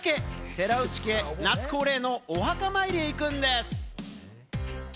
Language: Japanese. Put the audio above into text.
寺内家夏恒例のお墓参りへ行くんです。